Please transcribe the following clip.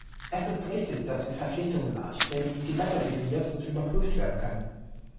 Es ist richtig, dass wir Verpflichtungen anstreben, die besser definiert und überprüft werden können.